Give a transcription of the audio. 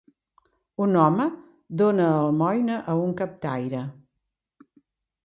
Un home dona almoina a un captaire.